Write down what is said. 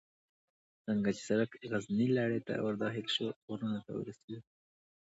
څنګه چې سړک غرنۍ لړۍ ته ور داخل شو، غرونو ته ورسېدو.